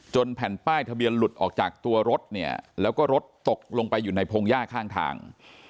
แผ่นป้ายทะเบียนหลุดออกจากตัวรถเนี่ยแล้วก็รถตกลงไปอยู่ในพงหญ้าข้างทาง